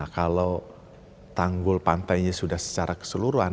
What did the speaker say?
kalau tanggul pantainya sudah secara keseluruhan